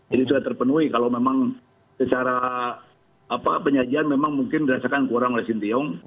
jadi sudah terpenuhi kalau memang secara apa penyajian memang mungkin dirasakan kurang oleh sintayong